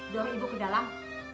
doang ibu ke dalam